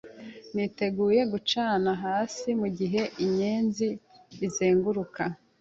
Niteguye gucana hasi Mugihe inyenzi izenguruka